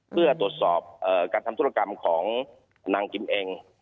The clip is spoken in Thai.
เพื่อตรวจสอบการทำธุรกรรมของนางกิมเอง